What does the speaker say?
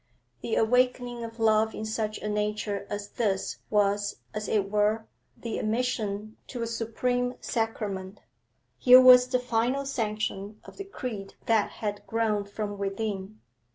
The awakening of love in such a nature as this was, as it were, the admission to a supreme sacrament. Here was the final sanction of the creed that had grown from within.